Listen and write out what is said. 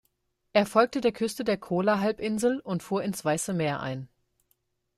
Er folgte der Küste der Kola-Halbinsel und fuhr ins Weiße Meer ein.